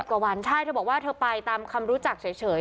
กว่าวันใช่เธอบอกว่าเธอไปตามคำรู้จักเฉย